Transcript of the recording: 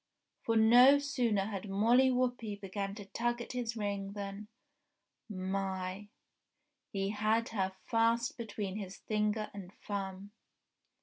For no sooner had Molly Whuppie began to tug at his ring than ... My !... He had her fast between his finger and thumb.